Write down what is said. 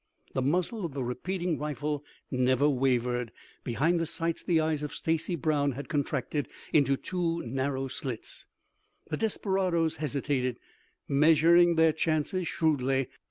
The muzzle of the repeating rifle never wavered. Behind the sights, the eyes of Stacy Brown had contracted into two narrow slits. The desperadoes hesitated, measuring their chances shrewdly.